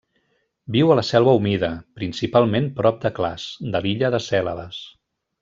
Viu a la selva humida, principalment prop de clars, de l'illa de Cèlebes.